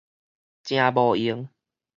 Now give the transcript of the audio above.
誠無閒